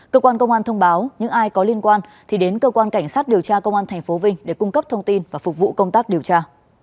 cơ quan công an thông báo những ai có liên quan thì đến cơ quan cảnh sát điều tra công an tp vinh để cung cấp thông tin và phục vụ công tác điều tra